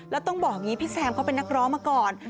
แล้วต้องบอกอย่างนี้พี่แซมเขาเป็นนักร้องมาก่อน